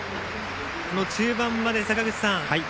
中盤まで、坂口さん